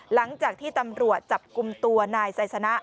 หลังจากที่ตำรวจจับกลุ่มตัวนายไซสนะ